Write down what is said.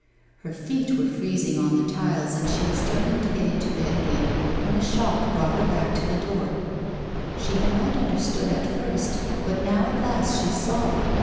Her feet were freezing on the tiles, and she was turning to get into bed again when a shock brought her back to the door. She had not understood at first, but now at last she saw.